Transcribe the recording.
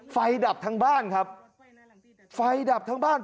ดับทั้งบ้านครับไฟดับทั้งบ้าน